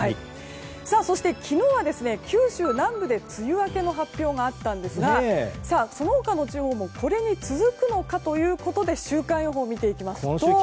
そして、昨日は九州南部で梅雨明けの発表があったんですがその他の地方もこれに続くのかということで週間予報を見ていきます。